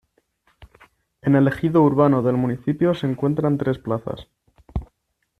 En el ejido urbano del municipio se encuentran tres plazas.